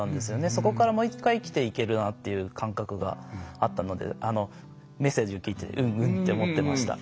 そこから、もう一回生きていけるなっていう感覚があったのでメッセージを聞いててうんうんって思ってました。